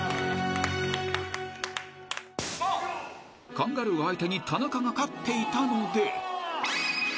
［カンガルー相手に田中が勝っていたので結果］